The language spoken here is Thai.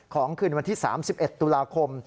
ของขึ้นวันที่๓๑ตุลาคม